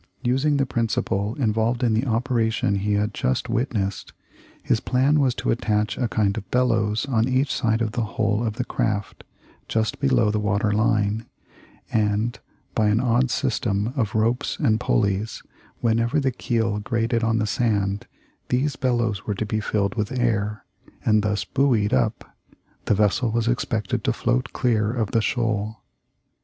Using the principle involved in the operation he had just witnessed, his plan was to attach a kind of bellows on each side of the hull of the craft just below the water line, and, by an odd system of ropes and pul leys, whenever the keel grated on the sand these bellows were to be filled with air, and thus buoyed up, the vessel was expected to float clear of the shoal.